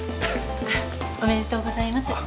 おめでとうございます。